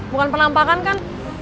bukan penampakan kan